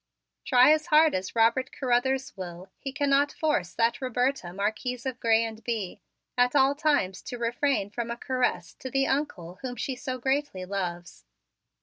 Try as hard as Robert Carruthers will, he cannot force that Roberta, Marquise of Grez and Bye, at all times to refrain from a caress to the Uncle whom she so greatly loves.